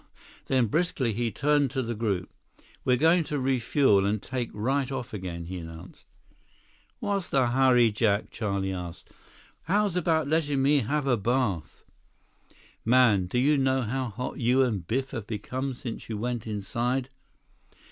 Then briskly he turned to the group. "We're going to refuel and take right off again," he announced. "What's the hurry, Jack?" Charlie asked. "How's about letting me have a bath?" 181 "Man, do you know how hot you and Biff have become since you went inside?